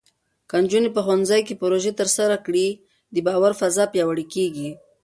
که نجونې په ښوونځي کې پروژې ترسره کړي، د باور فضا پیاوړې کېږي.